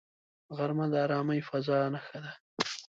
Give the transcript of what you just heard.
غرمه د آرامې فضاء نښه ده